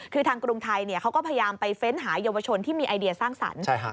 คือทางกรุงไทยเขาก็พยายามไปเฟ้นหาเยาวชนที่มีไอเดียสร้างสรรค์